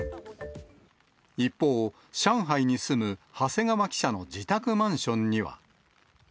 一方、上海に住む長谷川記者の自宅マンションには。